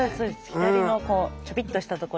左のこうちょびっとしたとこに。